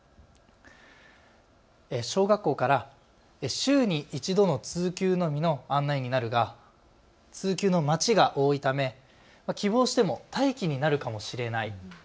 小学校から週に１度の通級のみの案内になるが通級の待ちが多いため希望しても待機になるかもしれない。